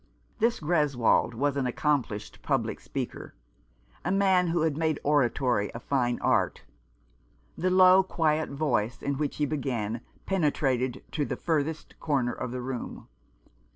This Greswold was an accomplished public speaker — a man who had made oratory a fine art. The low quiet voice in which he began penetrated to the furthest corner of the room.